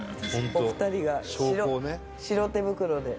お二人が白手袋で。